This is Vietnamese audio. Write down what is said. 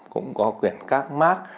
cũng có quyển karl marx